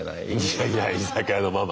いやいや居酒屋のママ？